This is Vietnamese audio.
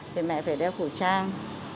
thì mẹ phải đeo khẩu trang